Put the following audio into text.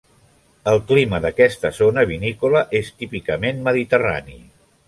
El clima d'aquesta zona vinícola és típicament mediterrani.